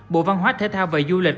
bộ văn hóa thể thao và du lịch